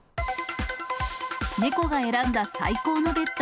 猫が選んだ最高のベッド。